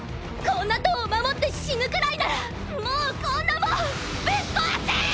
こんな塔を守って死ぬくらいならもうこんなもんぶっ壊せ！！！